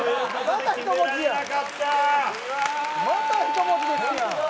また１文字ですやん！